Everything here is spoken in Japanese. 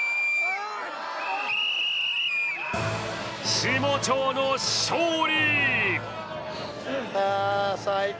下町の勝利。